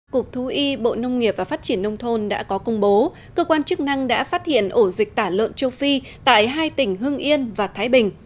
cục thú y bộ nông nghiệp và phát triển nông thôn đã có công bố cơ quan chức năng đã phát hiện ổ dịch tả lợn châu phi tại hai tỉnh hưng yên và thái bình